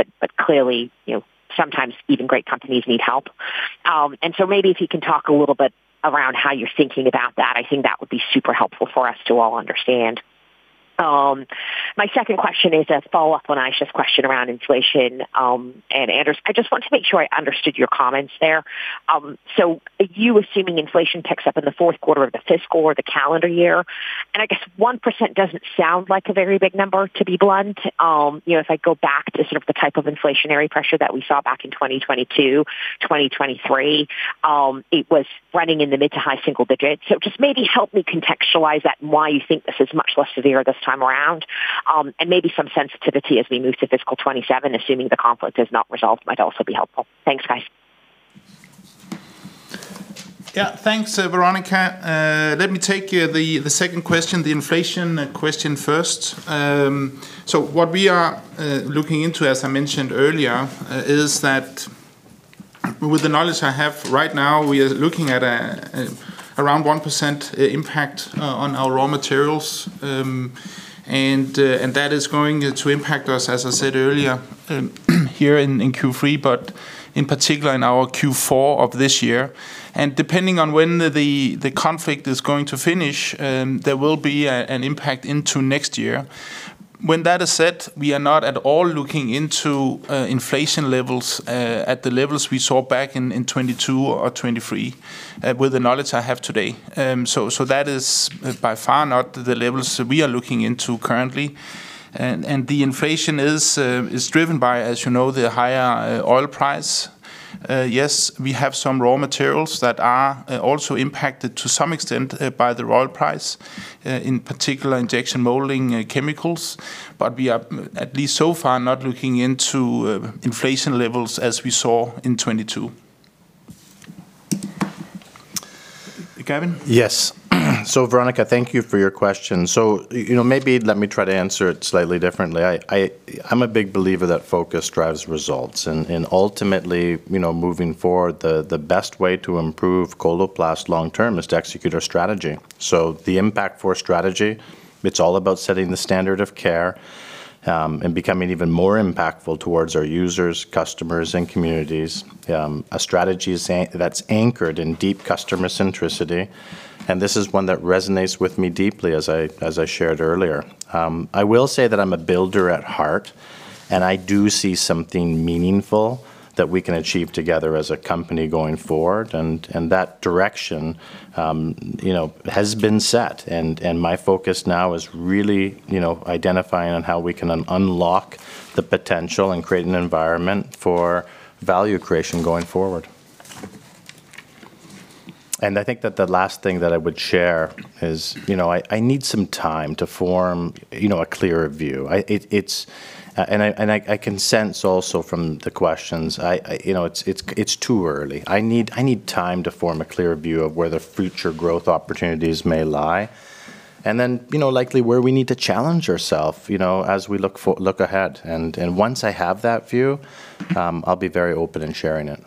clearly, you know, sometimes even great companies need help. Maybe if you can talk a little bit around how you're thinking about that, I think that would be super helpful for us to all understand. My second question is a follow-up on Aisyah's question around inflation, and Anders. I just want to make sure I understood your comments there. Are you assuming inflation picks up in the fourth quarter of the fiscal or the calendar year? And I guess 1% doesn't sound like a very big number, to be blunt. You know, if I go back to sort of the type of inflationary pressure that we saw back in 2022, 2023, it was running in the mid to high single digits. Just maybe help me contextualize that and why you think this is much less severe this time around. Maybe some sensitivity as we move to fiscal 2027, assuming the conflict is not resolved, might also be helpful. Thanks, guys. Thanks, Veronika. Let me take the second question, the inflation question first. What we are looking into, as I mentioned earlier, is that with the knowledge I have right now, we are looking at around 1% impact on our raw materials. That is going to impact us, as I said earlier, here in Q3, but in particular in our Q4 of this year. Depending on when the conflict is going to finish, there will be an impact into next year. When that is said, we are not at all looking into inflation levels at the levels we saw back in 2022 or 2023 with the knowledge I have today. So that is by far not the levels we are looking into currently. The inflation is driven by, as you know, the higher oil price. Yes, we have some raw materials that are also impacted to some extent by the oil price, in particular injection molding chemicals. We are at least so far not looking into inflation levels as we saw in 2022. Gavin? Yes. Veronika, thank you for your question. You know, maybe let me try to answer it slightly differently. I'm a big believer that focus drives results and ultimately, you know, moving forward, the best way to improve Coloplast long term is to execute our strategy. The Impact4 strategy, it's all about setting the standard of care and becoming even more impactful towards our users, customers, and communities. A strategy is that's anchored in deep customer centricity, and this is one that resonates with me deeply as I shared earlier. I will say that I'm a builder at heart, and I do see something meaningful that we can achieve together as a company going forward. That direction, you know, has been set, my focus now is really, you know, identifying on how we can unlock the potential and create an environment for value creation going forward. I think that the last thing that I would share is, you know, I need some time to form, you know, a clearer view. It's. I can sense also from the questions, you know, it's too early. I need time to form a clearer view of where the future growth opportunities may lie, then, you know, likely where we need to challenge ourself, you know, as we look ahead. Once I have that view, I'll be very open in sharing it.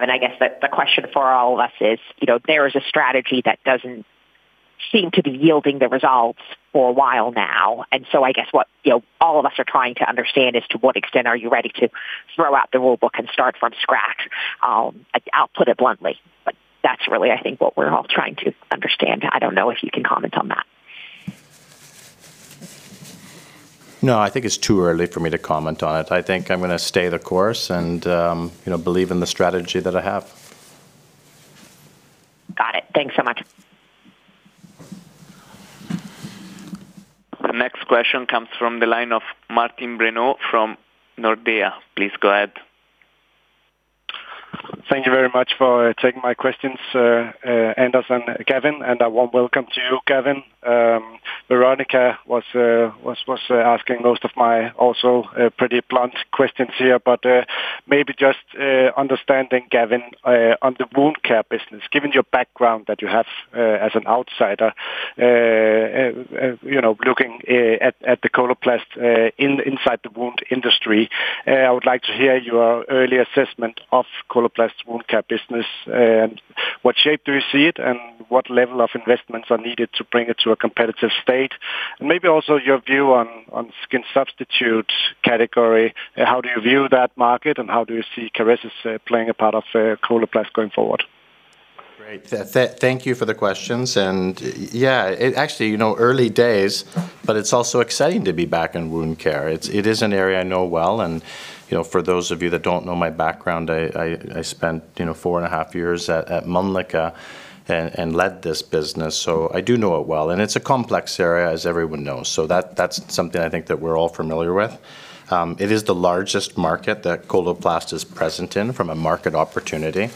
I appreciate that, Gavin. I guess the question for all of us is, you know, there is a strategy that doesn't seem to be yielding the results for a while now. I guess what, you know, all of us are trying to understand is to what extent are you ready to throw out the rule book and start from scratch? I'll put it bluntly, that's really, I think, what we're all trying to understand. I don't know if you can comment on that. No, I think it's too early for me to comment on it. I think I'm gonna stay the course and, you know, believe in the strategy that I have. Got it. Thanks so much. The next question comes from the line of Martin Brenoe from Nordea. Please go ahead. Thank you very much for taking my questions, Anders and Gavin, and a warm welcome to you, Gavin. Veronika was asking most of my also pretty blunt questions here. Maybe just understanding, Gavin, on the wound care business. Given your background that you have as an outsider, you know, looking at the Coloplast in inside the wound industry, I would like to hear your early assessment of Coloplast wound care business. What shape do you see it, and what level of investments are needed to bring it to a competitive state? Maybe also your view on skin substitutes category. How do you view that market, and how do you see Kerecis playing a part of Coloplast going forward? Great. Thank you for the questions. Yeah, it actually, you know, early days, but it's also exciting to be back in wound care. It is an area I know well, and, you know, for those of you that don't know my background, I spent, you know, four and a half years at Mölnlycke and led this business, so I do know it well. It's a complex area, as everyone knows. That's something I think that we're all familiar with. It is the largest market that Coloplast is present in from a market opportunity.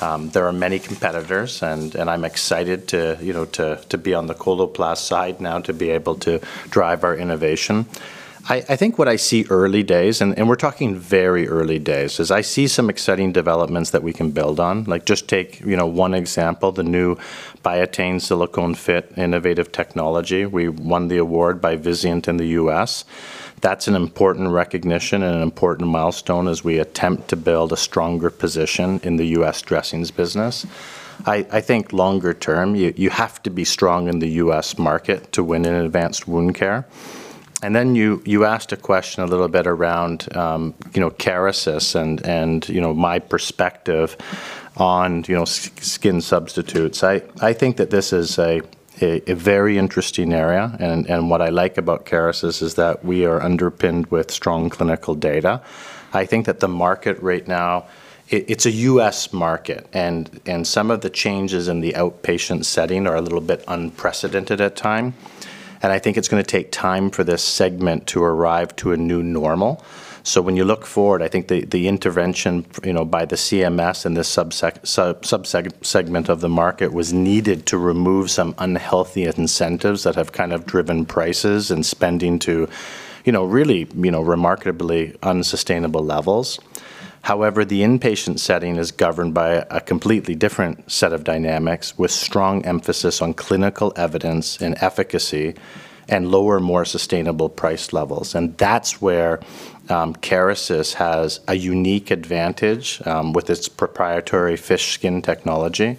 There are many competitors, and I'm excited to, you know, to be on the Coloplast side now to be able to drive our innovation. I think what I see early days, and we're talking very early days, is I see some exciting developments that we can build on. Like, just take, you know, one example, the new Biatain Silicone Fit innovative technology. We won the award by Vizient in the U.S. That's an important recognition and an important milestone as we attempt to build a stronger position in the U.S. dressings business. I think longer term, you have to be strong in the U.S. market to win in advanced wound care. Then you asked a question a little bit around, you know, Kerecis and, you know, my perspective on, you know, skin substitutes. I think that this is a very interesting area, and what I like about Kerecis is that we are underpinned with strong clinical data. I think that the market right now, it's a U.S. market, and some of the changes in the outpatient setting are a little bit unprecedented at time. I think it's gonna take time for this segment to arrive to a new normal. When you look forward, I think the intervention, you know, by the CMS and the segment of the market was needed to remove some unhealthy incentives that have kind of driven prices and spending to, you know, really, you know, remarkably unsustainable levels. However, the inpatient setting is governed by a completely different set of dynamics with strong emphasis on clinical evidence and efficacy and lower, more sustainable price levels. That's where Kerecis has a unique advantage with its proprietary fish skin technology.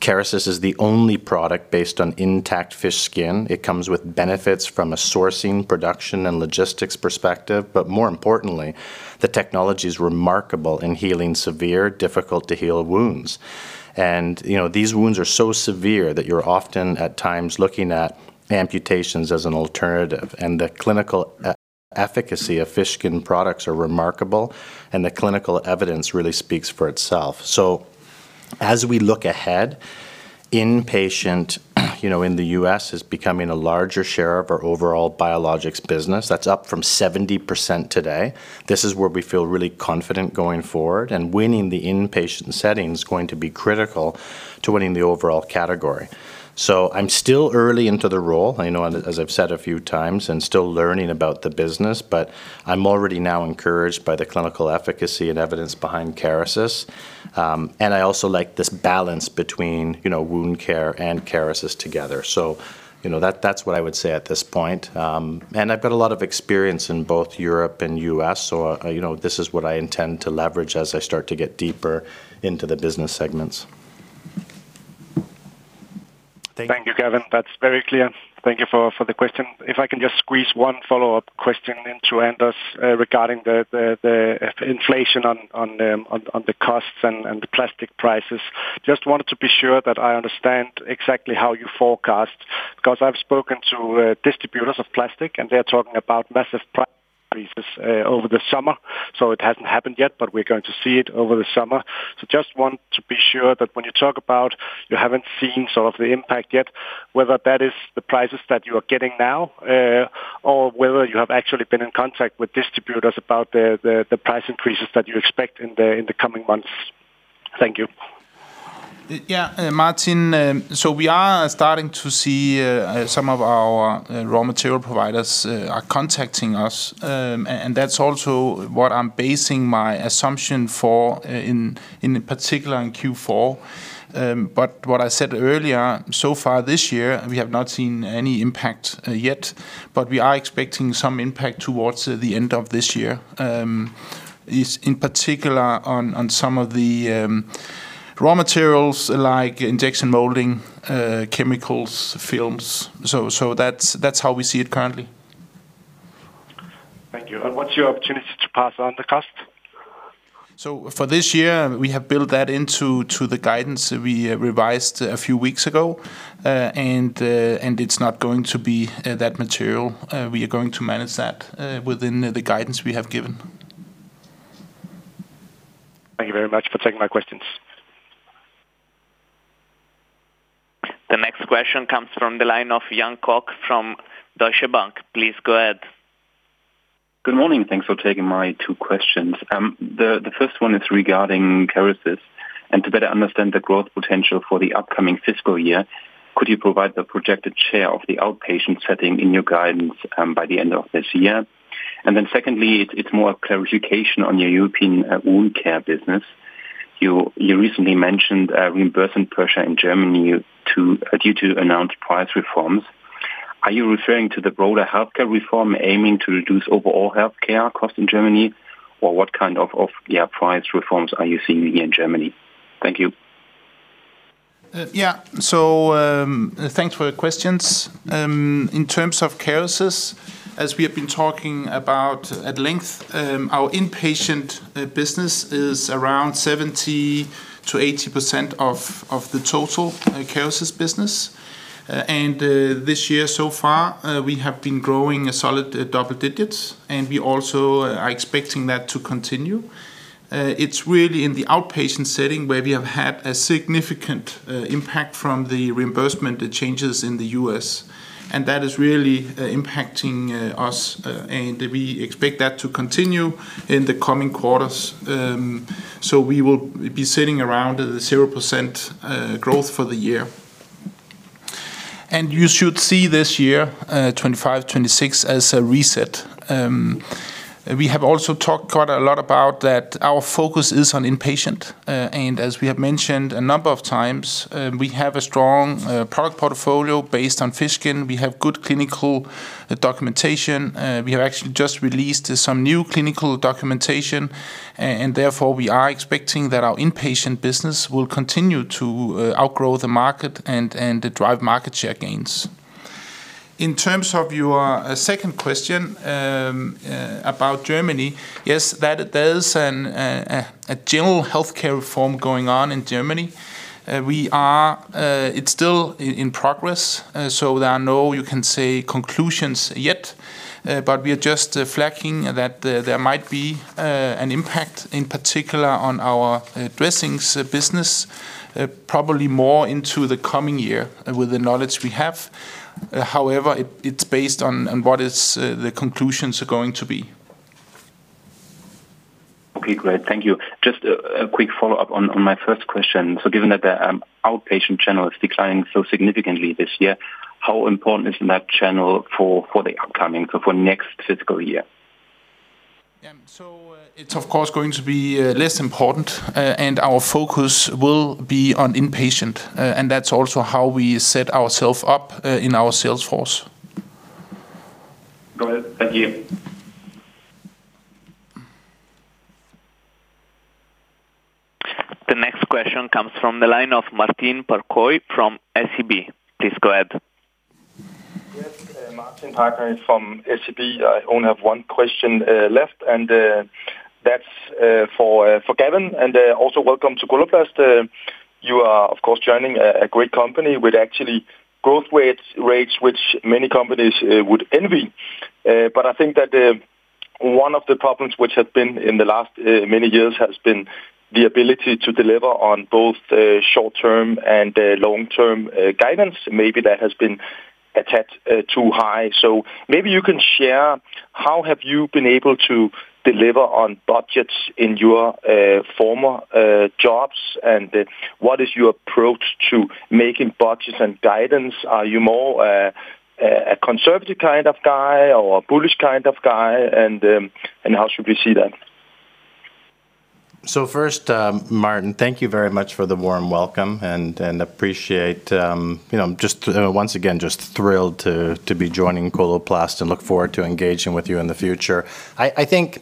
Kerecis is the only product based on intact fish skin. It comes with benefits from a sourcing, production, and logistics perspective. More importantly, the technology is remarkable in healing severe, difficult-to-heal wounds. You know, these wounds are so severe that you're often at times looking at amputations as an alternative. The clinical efficacy of fish skin products is remarkable, and the clinical evidence really speaks for itself. As we look ahead, inpatient, you know, in the U.S. is becoming a larger share of our overall Biologics business. That's up from 70% today. This is where we feel really confident going forward, and winning the inpatient setting is going to be critical to winning the overall category. I'm still early into the role, I know as I've said a few times, and still learning about the business, but I'm already now encouraged by the clinical efficacy and evidence behind Kerecis. I also like this balance between, you know, wound care and Kerecis together. You know, that's what I would say at this point. I've got a lot of experience in both Europe and U.S., you know, this is what I intend to leverage as I start to get deeper into the business segments. Thank you. Thank you, Gavin. That's very clear. Thank you for the question. If I can just squeeze one follow-up question into Anders regarding the inflation on the costs and the plastic prices. Just wanted to be sure that I understand exactly how you forecast. I've spoken to distributors of plastic, and they're talking about massive price increases over the summer. It hasn't happened yet, but we're going to see it over the summer. Just want to be sure that when you talk about you haven't seen sort of the impact yet, whether that is the prices that you are getting now, or whether you have actually been in contact with distributors about the price increases that you expect in the coming months. Thank you. Yeah, Martin, we are starting to see some of our raw material providers are contacting us. That's also what I'm basing my assumption for, in particular in Q4. What I said earlier, so far this year, we have not seen any impact yet, we are expecting some impact towards the end of this year, is in particular on some of the raw materials like injection molding, chemicals, films. That's how we see it currently. Thank you. What's your opportunity to pass on the cost? For this year, we have built that into the guidance we revised a few weeks ago. It's not going to be that material. We are going to manage that within the guidance we have given. Thank you very much for taking my questions. The next question comes from the line of Jan Koch from Deutsche Bank. Please go ahead. Good morning. Thanks for taking my two questions. The first one is regarding Kerecis. To better understand the growth potential for the upcoming fiscal year, could you provide the projected share of the outpatient setting in your guidance by the end of this year? Secondly, it's more clarification on your European wound care business. You recently mentioned a reimbursement pressure in Germany due to announced price reforms. Are you referring to the broader healthcare reform aiming to reduce overall healthcare costs in Germany? What kind of, yeah, price reforms are you seeing in Germany? Thank you. Thanks for your questions. In terms of Kerecis, as we have been talking about at length, our inpatient business is around 70%-80% of the total Kerecis business. This year so far, we have been growing a solid double-digits, and we also are expecting that to continue. It's really in the outpatient setting where we have had a significant impact from the reimbursement changes in the U.S., and that is really impacting us. We expect that to continue in the coming quarters. We will be sitting around at a 0% growth for the year. You should see this year, 2025, 2026 as a reset. We have also talked quite a lot about that our focus is on inpatient. As we have mentioned a number of times, we have a strong product portfolio based on fish skin. We have good clinical documentation. We have actually just released some new clinical documentation. Therefore, we are expecting that our inpatient business will continue to outgrow the market and drive market share gains. In terms of your second question, about Germany, yes, that there is a general healthcare reform going on in Germany. We are, it's still in progress, so there are no, you can say, conclusions yet. We are just flagging that there might be an impact, in particular on our dressings business, probably more into the coming year with the knowledge we have. However, it's based on what is, the conclusions are going to be. Okay, great. Thank you. Just a quick follow-up on my first question. Given that the outpatient channel is declining so significantly this year, how important is that channel for next fiscal year? Yeah. It's of course going to be less important, and our focus will be on inpatient. That's also how we set ourself up in our sales force. Go ahead. Thank you. The next question comes from the line of Martin Parkhøi from SEB. Please go ahead. Yes, Martin Parkhøi from SEB. I only have one question left, and that's for Gavin, also welcome to Coloplast. You are of course joining a great company with actually growth rates which many companies would envy. I think that the one of the problems which have been in the last many years has been the ability to deliver on both short-term and long-term guidance. Maybe that has been a tad too high. Maybe you can share how have you been able to deliver on budgets in your former jobs, and what is your approach to making budgets and guidance? Are you more a conservative kind of guy or a bullish kind of guy? How should we see that? First, Martin, thank you very much for the warm welcome and appreciate, you know, just once again, thrilled to be joining Coloplast and look forward to engaging with you in the future. I think,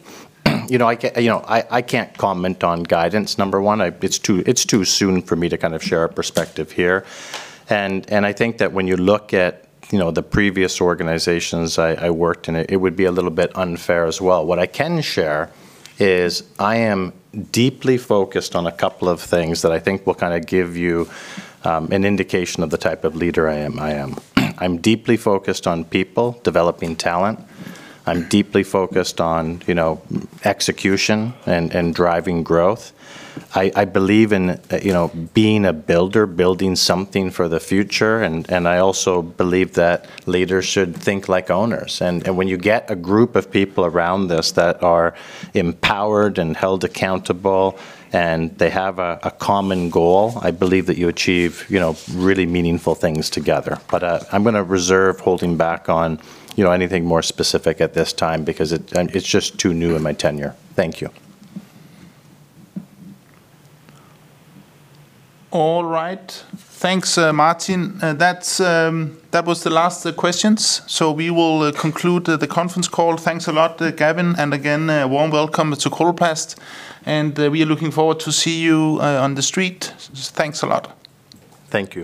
you know, I can't comment on guidance. Number one, it's too soon for me to kind of share a perspective here. I think that when you look at, you know, the previous organizations I worked in, it would be a little bit unfair as well. What I can share is I am deeply focused on a couple of things that I think will kinda give you an indication of the type of leader I am. I'm deeply focused on people, developing talent. I'm deeply focused on, you know, execution and driving growth. I believe in, you know, being a builder, building something for the future and I also believe that leaders should think like owners. When you get a group of people around this that are empowered and held accountable, and they have a common goal, I believe that you achieve, you know, really meaningful things together. I'm gonna reserve holding back on, you know, anything more specific at this time because it's just too new in my tenure. Thank you. All right. Thanks, Martin. That was the last questions, so we will conclude the conference call. Thanks a lot, Gavin, and again, a warm welcome to Coloplast. We are looking forward to see you on the street. Just thanks a lot. Thank you.